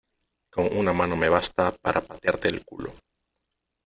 con una mano me basta para patearte el culo .